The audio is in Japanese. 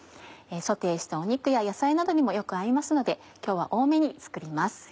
ソテーした肉や野菜などにもよく合いますので今日は多めに作ります。